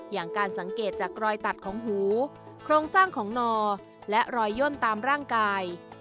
อย่างการสังเกตจากรอยตัดของหูโครงสร้างของนอและรอยย่นตามร่างกาย